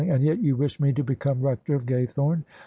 "And yet you wish me to become Rector of Gaythome?